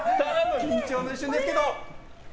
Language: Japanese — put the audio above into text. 緊張の一瞬ですけど。